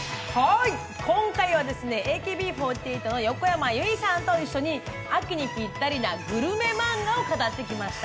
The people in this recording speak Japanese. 今回はＡＫＢ４８の横山由依さんと一緒に秋のぴったりなグルメマンガを語ってきました。